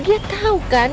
dia tau kan